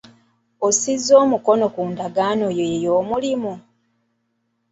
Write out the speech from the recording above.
Osiza omukono ku ndagaano yo ey'omulimu?